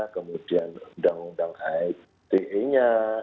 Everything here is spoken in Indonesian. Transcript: kemudian undang undang ite nya